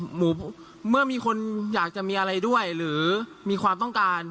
หมูเมื่อมีคนอยากจะมีอะไรด้วยหรือมีความต้องการ